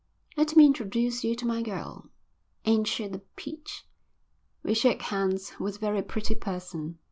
"Let me introduce you to my girl. Ain't she a peach?" We shook hands with a very pretty person.